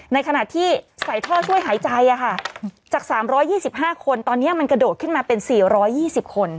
ในขณะที่ใส่ท่อช่วยหายใจอ่ะค่ะจากสามร้อยยี่สิบห้าคนตอนเนี้ยมันกระโดดขึ้นมาเป็นสี่ร้อยยี่สิบคน